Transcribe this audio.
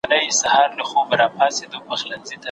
په سياست کي بايد تر توان زيات نفوذ ونه سي.